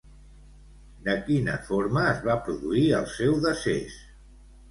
De quina forma es va produir el seu decés?